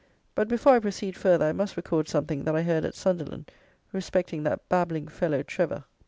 But before I proceed further, I must record something that I heard at Sunderland respecting that babbling fellow Trevor!